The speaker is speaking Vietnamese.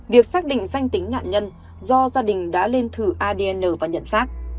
việc xác định danh tính nạn nhân do gia đình đã lên thử adn và nhận xác